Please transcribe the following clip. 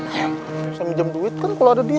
bisa minjem duit kan kalau ada dia